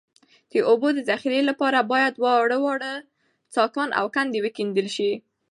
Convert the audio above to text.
د اوبو د ذخیرې لپاره باید واړه واړه څاګان او کندې وکیندل شي